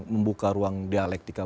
membuka ruang dialektika